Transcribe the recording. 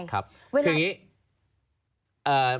วิ่งเถียง๓๓